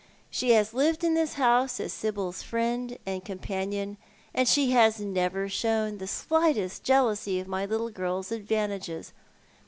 She has lived in this honse as Sibyl's friend and companion, and she has never shown the slightest jealousy of my little girl's advantages.